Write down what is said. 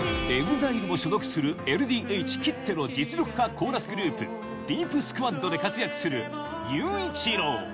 ＥＸＩＬＥも所属するＬＤＨきっての実力派コーラスグループＤＥＥＰＳＱＵＡＤで活躍するＹＵＩＣＨＩＲＯ